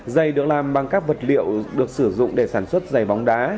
dày được làm bằng các vật liệu được sử dụng để sản xuất giày bóng đá